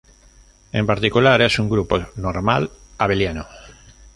En particular, es un subgrupo normal, abeliano.